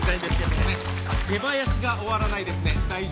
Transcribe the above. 出囃子が終わらないですね。